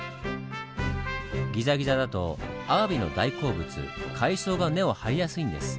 ギザギザだとアワビの大好物海藻が根を張りやすいんです。